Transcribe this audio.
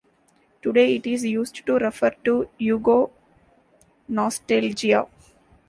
Today it is used to refer to Yugo-nostalgia.